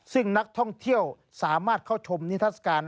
ซึ่งนักท่องเที่ยวสามารถเข้าชมนิทัศกาล